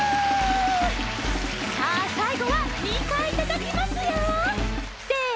さあさいごは２かいたたきますよ。